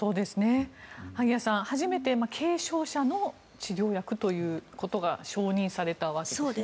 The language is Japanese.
萩谷さん、初めて軽症者の治療薬ということが承認されたわけですね。